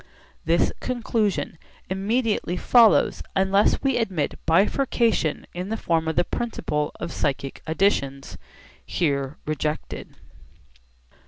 This conclusion immediately follows unless we admit bifurcation in the form of the principle of psychic additions, here rejected.